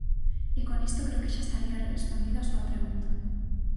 E con isto creo que xa estaría respondida a súa pregunta.